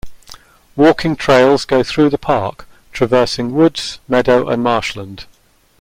Walking trails go through the park, traversing woods, meadow and marshland.